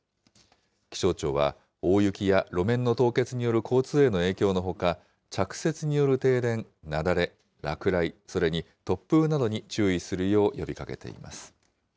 気象庁は、大雪や路面の凍結による交通への影響のほか、着雪による停電、雪崩、落雷、それに突風などに注意するよう呼びかけています。